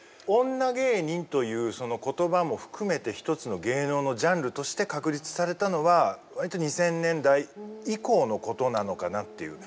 女芸人というその言葉も含めて一つの芸能のジャンルとして確立されたのは割と２０００年代以降のことなのかなという。